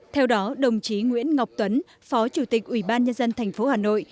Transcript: theo đó đồng chí nguyễn ngọc tuấn phó chủ tịch ủy ban nhân dân thành phố hà nội